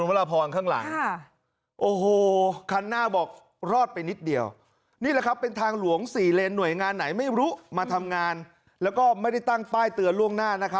ว่าข้างหลังคือมันเป็นเส้นที่กำลังทำความเร็วด้วยอะค่ะ